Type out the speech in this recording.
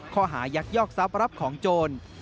ยักยอกทรัพย์รับของโจร